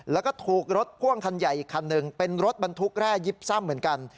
แล้วก็ถูกรถพ่วงคันใหญ่อีกคันหนึ่งเป็นรถบรรทุกแร่ยิบซ่ำเหมือนกัน